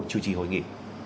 chủ trì hội nghị